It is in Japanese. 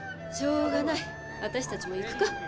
しょうがない私たちも行くか。